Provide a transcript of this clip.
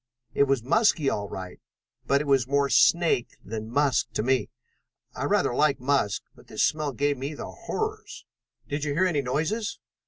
It was musky all right, but it was more snake than musk to me. I rather like musk, but this smell gave me the horrors." "Did you hear any noises?"